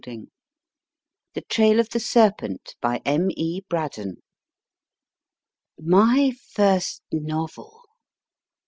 109 M THE TRAIL OF THE SERPENT BY M. E. BRADDON Y first novel